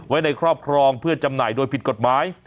ในครอบครองเพื่อจำหน่ายโดยผิดกฎหมาย